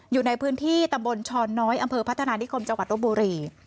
อยู่ในพื้นที่ตำบลชอนน้อยอำเภอพัฒนานิคมจังหวัดรบบุรี